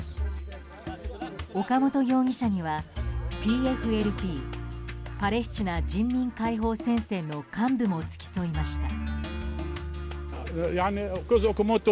岡本容疑者にはＰＦＬＰ・パレスチナ人民解放戦線の幹部も付き添いました。